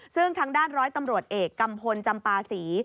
ซึ่งทางด้านร้อยตำรวจเอกกัมพลจำปาศรี